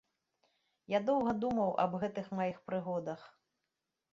Я доўга думаў аб гэтых маіх прыгодах.